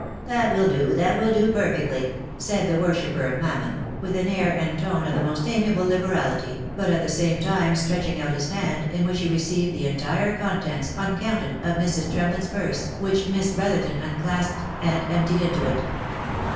"That will do, that will do perfectly," said the worshipper of Mammon, with an air and tone of the most amiable liberality, but at the same time stretching out his hand, in which he received the entire contents, uncounted, of Mrs. Tremlett's purse, which Miss Brotherton unclasped, and emptied into it.